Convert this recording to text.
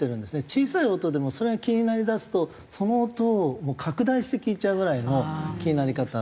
小さい音でもそれが気になりだすとその音を拡大して聞いちゃうぐらいの気になり方。